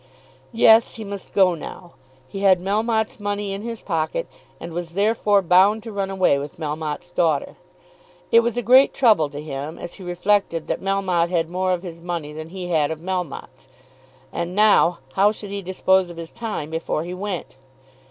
Yes; he must go now. He had Melmotte's money in his pocket, and was therefore bound to run away with Melmotte's daughter. It was a great trouble to him as he reflected that Melmotte had more of his money than he had of Melmotte's. And now how should he dispose of his time before he went?